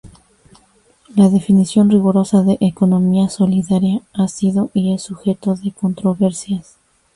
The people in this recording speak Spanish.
La definición rigurosa de "economía solidaria" ha sido y es sujeto de controversias.